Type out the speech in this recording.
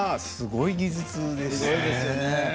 すごい技術でしたね。